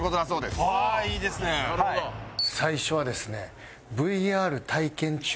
最初はですね。